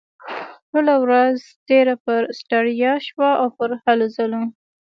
ټوله ورځ تېره پر ستړيا شوه او پر هلو ځلو.